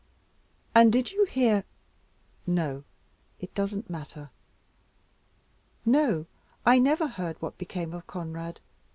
"And did you hear no, it doesn't matter." "No, I never heard what became of Conrad.